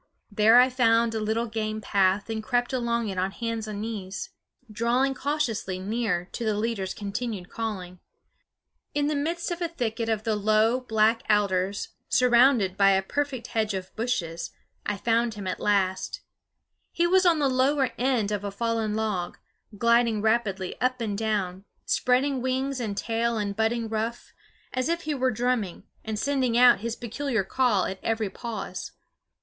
There I found a little game path and crept along it on hands and knees, drawing cautiously near to the leader's continued calling. [Illustration: "THEY WOULD TURN THEIR HEADS AND LISTEN INTENTLY"] In the midst of a thicket of low black alders, surrounded by a perfect hedge of bushes, I found him at last. He was on the lower end of a fallen log, gliding rapidly up and down, spreading wings and tail and budding ruff, as if he were drumming, and sending out his peculiar call at every pause.